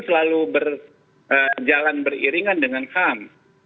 hukum itu berjalan beriringan dengan ham